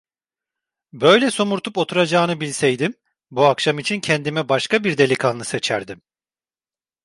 Böyle somurtup oturacağını bilseydim bu akşam için kendime başka bir delikanlı seçerdim!